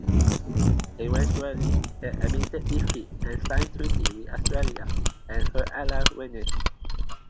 Eventually, they admitted defeat and signed a treaty with Austria and her ally Venice.